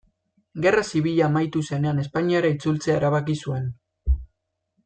Gerra Zibila amaitu zenean Espainiara itzultzea erabaki zuen.